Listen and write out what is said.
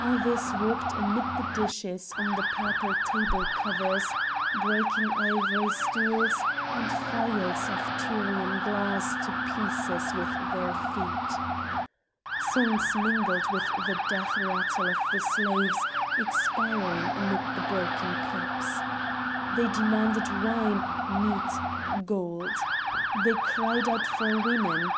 Others walked amid the dishes on the purple table covers, breaking ivory stools, and phials of Tyrian glass to pieces with their feet. Songs mingled with the death rattle of the slaves expiring amid the broken cups. They demanded wine, meat, gold. They cried out for women.